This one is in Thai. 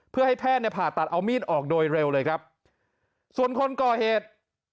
เพื่อให้แพทย์เนี่ยผ่าตัดเอามีดออกโดยเร็วเลยครับส่วนคนก่อเหตุ